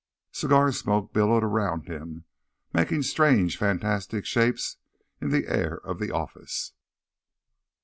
Cigar smoke billowed around him, making strange, fantastic shapes in the air of the office.